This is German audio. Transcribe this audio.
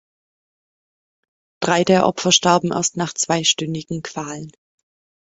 Drei der Opfer starben erst nach zweistündigen Qualen.